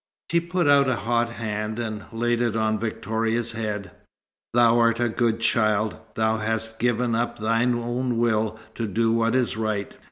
She put out a hot hand, and laid it on Victoria's head. "Thou art a good child. Thou hast given up thine own will to do what is right."